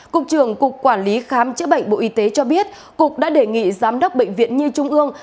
cục trưởng cục quản lý khám chữa bệnh bộ y tế cho biết cục đã đề nghị giám đốc bệnh viện nhi trung ương